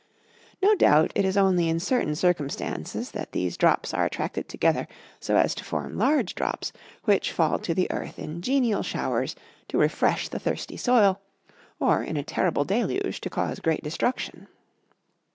No doubt it is only in certain circumstances that these drops are attracted together so as to form large drops, which fall to the earth in genial showers to refresh the thirsty soil, or in a terrible deluge to cause great destruction.